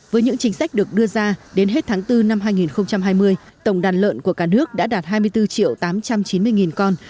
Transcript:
với những chính sách được đưa ra đến hết tháng bốn năm hai nghìn hai mươi tổng đàn lợn của cả nước đã đạt hai mươi bốn triệu tám trăm chín mươi con